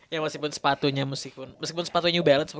ya meskipun sepatunya new balance